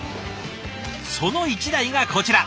その一台がこちら。